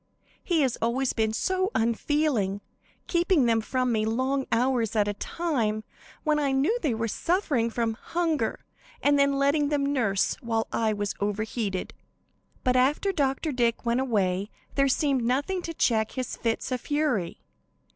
He has always been so unfeeling; keeping them from me long hours at a time, when I knew they were suffering from hunger, and then letting them nurse while I was overheated. "But after Dr. Dick went away there there seemed nothing to check his fits of fury.